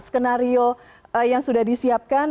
skenario yang sudah disiapkan